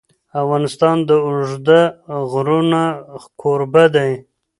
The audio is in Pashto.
افغانستان د اوږده غرونه کوربه دی.